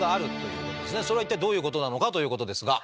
それは一体どういうことなのかということですが。